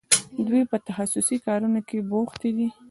دوی په تخصصي کارونو کې بوختې دي.